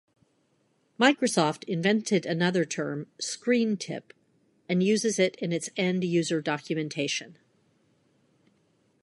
Microsoft invented another term, "ScreenTip", and uses it in its end-user documentation.